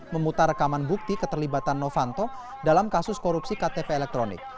memutar rekaman bukti keterlibatan novanto dalam kasus korupsi ktp elektronik